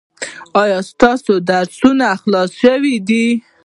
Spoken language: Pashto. ایا ستاسو درسونه خلاص شوي دي؟